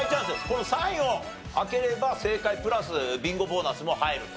この３位を開ければ正解プラスビンゴボーナスも入ると。